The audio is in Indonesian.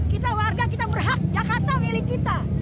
kita warga kita berhak jakarta milik kita